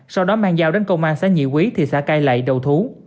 sau đó mang dao đến công an xã nhị quý thị xã cai lệ đầu thú